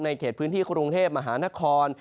เขตพื้นที่กรุงเทพมหานคร